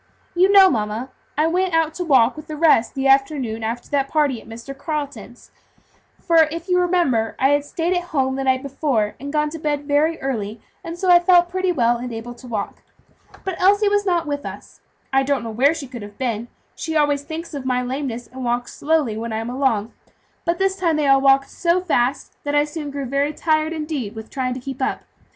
You know, mamma, I went out to walk with the rest the afternoon after that party at Mr. Carleton's; for if you remember, I had stayed at home the night before, and gone to bed very early, and so I felt pretty well and able to walk. But Elsie was not with us. I don't know where she could have been; she always thinks of my lameness, and walks slowly when I am along, but this time they all walked so fast that I soon grew very tired, indeed, with trying to keep up.